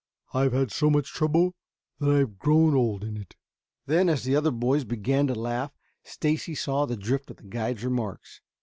"I've had so much trouble that I've grown old in it." Then, as the other boys began to laugh, Stacy saw the drift of the guide's remarks.